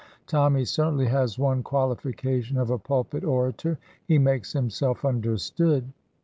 Tommy certainly has one qualification of a pulpit orator— he makes himself under stood."